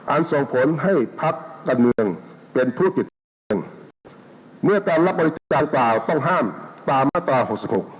อันส่งผลให้พักกันเมืองเป็นผู้ปิดการเมื่อการรับบริจาคต่างต่างต้องห้ามตามมาตรา๖๖